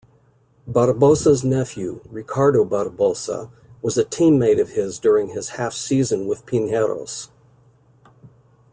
Barbosa's nephew, Ricardo Barbosa, was a teammate of his during his half-season with Pinheiros.